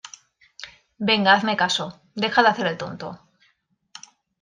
venga, hazme caso. deja de hacer el tonto